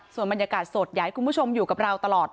ส่วนบรรยากาศสดอยากให้คุณผู้ชมอยู่กับเราตลอด